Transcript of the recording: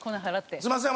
すみません。